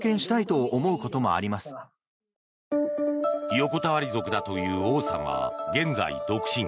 横たわり族だというオウさんは現在、独身。